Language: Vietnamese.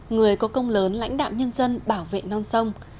người có công lớn lãnh đạo nhân dân bảo vệ non sông